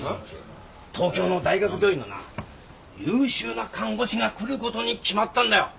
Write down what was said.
東京の大学病院のな優秀な看護師が来ることに決まったんだよ。